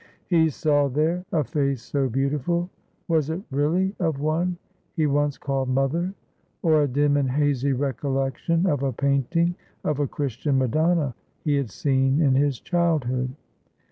He saw there a face so beautiful! was it really of one he once called "Mother"? — or a dim and hazy recollection of a painting of a Christian Madonna he had seen in his childhood?